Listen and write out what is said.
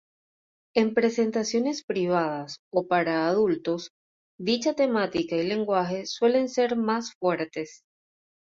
En presentaciones privadas o para adultos, dicha temática y lenguaje suelen ser más fuertes.